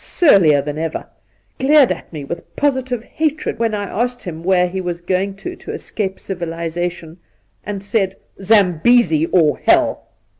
Surlier than ever. Glared at me with positive hatred when I asked him where he was going to to escape civilization, and said, "Zambesi, or hell."